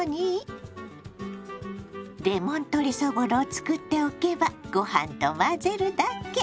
レモン鶏そぼろを作っておけばご飯と混ぜるだけ！